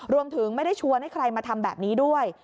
ไม่ได้ชวนให้ใครมาทำแบบนี้ด้วย